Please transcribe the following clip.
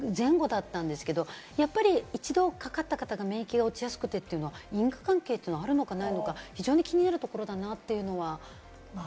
昨年ぐらいからかな、コロナ禍の収束前後だったんですけれども、やっぱり一度かかった方が免疫が落ちやすくてというのは因果関係ってあるのかないのか非常に気になるところだなというのは。